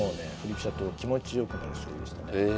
飛車党気持ち良くなる将棋でしたね。